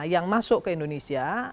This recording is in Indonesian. yang masuk ke indonesia